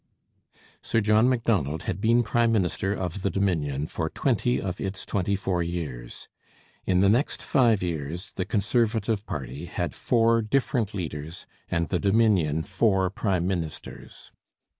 Sir John Macdonald had been prime minister of the Dominion for twenty of its twenty four years. In the next five years the Conservative party had four different leaders and the Dominion four prime ministers.